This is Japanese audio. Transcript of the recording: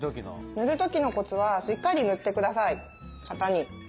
塗る時のコツはしっかり塗ってください型に。